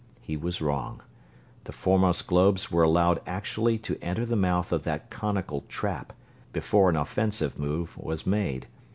He was wrong. The foremost globes were allowed actually to enter the mouth of that conical trap before an offensive move was made.